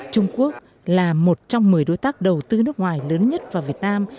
trung quốc là một trong mười đối tác đầu tư nước ngoài lớn nhất vào việt nam